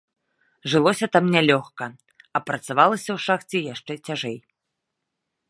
Жылося там нялёгка, а працавалася ў шахце яшчэ цяжэй.